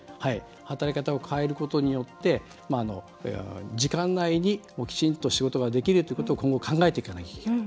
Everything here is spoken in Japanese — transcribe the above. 働き方を変えることによって時間内に、きちんと仕事ができるということを今後、考えていかなきゃいけない。